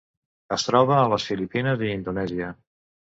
Es troba a les Filipines i Indonèsia.